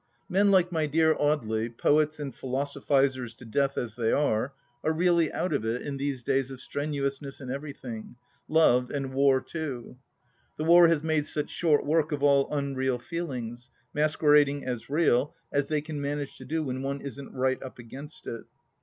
... Men like my dear Audely, poets and philosophizers to death as they are, are really out of it in these days of strenuousness in everything — Love and War, too. The War has made such short work of all unreal feelings, masquerading as real, as they can manage to do when one isn't " right up against it."